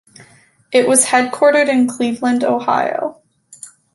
It was headquartered in Cleveland, Ohio.